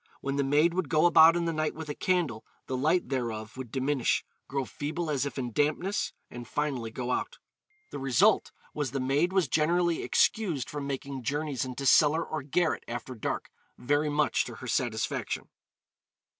When the maid would go about in the night with a candle, the light thereof would diminish, grow feeble as if in dampness, and finally go out. The result was the maid was generally excused from making journeys into cellar or garret after dark, very much to her satisfaction.